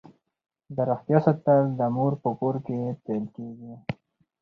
د روغتیا ساتل د مور په کور کې پیل کیږي.